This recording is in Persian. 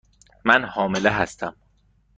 من حامله هستم.